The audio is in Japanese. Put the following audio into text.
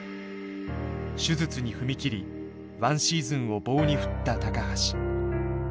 手術に踏み切りワンシーズンを棒に振った橋。